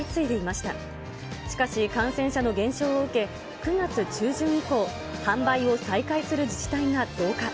しかし、感染者の減少を受け、９月中旬以降、販売を再開する自治体が増加。